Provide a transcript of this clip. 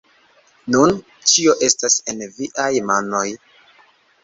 Nun ĉio estas en viaj manoj